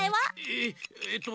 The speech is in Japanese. えっえっと